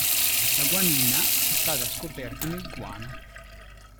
La guanina è stata scoperta nel guano.